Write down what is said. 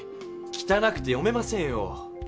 きたなくて読めませんよ。